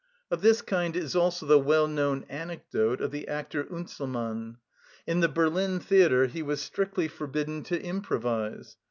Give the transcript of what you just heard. Of this kind is also the well known anecdote of the actor Unzelmann. In the Berlin theatre he was strictly forbidden to improvise.